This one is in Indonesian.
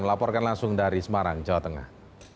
melaporkan langsung dari semarang jawa tengah